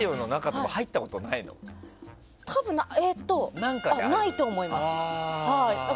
多分ないないと思います。